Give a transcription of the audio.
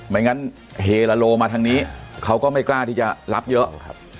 ไม่งั้นเฮลาโลมาทางนี้เขาก็ไม่กล้าที่จะรับเยอะครับ